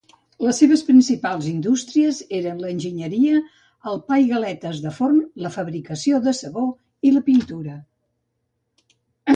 Les seves principals indústries eren l'enginyeria, el pa i galetes de forn, la fabricació de sabó i la pintura.